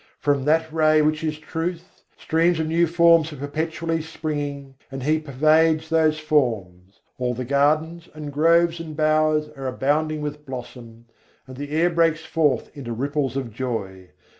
From that Ray which is Truth, streams of new forms are perpetually springing: and He pervades those forms. All the gardens and groves and bowers are abounding with blossom; and the air breaks forth into ripples of joy.